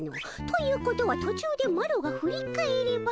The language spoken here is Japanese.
ということは途中でマロが振り返れば。